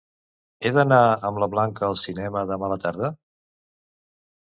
He d'anar amb la Blanca al cinema demà a la tarda?